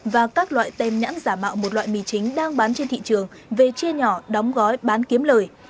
và các loại tem nhãn giả mạo một loại mì chính đang bán trên thị trường về chia nhỏ đóng gói bán kiếm lời